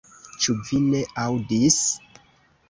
Ĉu vi ne aŭdis?